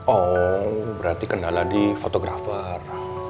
oh berarti kendala di fotografer